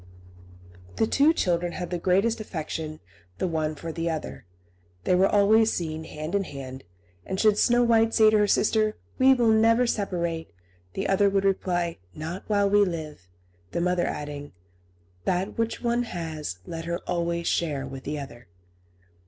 The two children had the greatest affection the one for the other. They were always seen hand in hand; and should Snow White say to her sister, "We will never separate," the other would reply, "Not while we live," the mother adding, "That which one has, let her always share with the other."